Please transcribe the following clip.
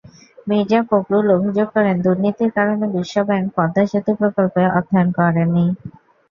মির্জা ফখরুল অভিযোগ করেন, দুর্নীতির কারণে বিশ্বব্যাংক পদ্মা সেতু প্রকল্পে অর্থায়ন করেনি।